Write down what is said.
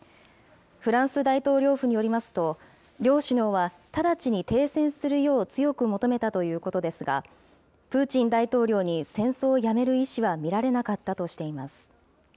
フランス大統領府によりますと、両首脳は、直ちに停戦するよう強く求めたということですが、プーチン大統領に戦争をやめる意思は見られなかったとしています。